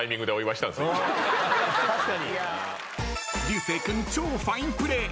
［流星君超ファインプレー］